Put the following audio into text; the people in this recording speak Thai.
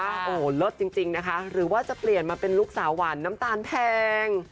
โอ้โหเลิศจริงนะคะหรือว่าจะเปลี่ยนมาเป็นลูกสาวหวานน้ำตาลแพง